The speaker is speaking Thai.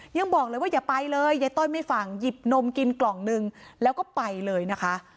ยังบอกเลยว่าอย่าไปเลยยายต้อยไม่ฟังหยิบนมกินกล่องหนึ่งแล้วก็ไปเลยนะคะ